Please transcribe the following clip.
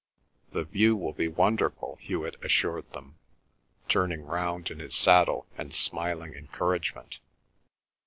"The view will be wonderful," Hewet assured them, turning round in his saddle and smiling encouragement.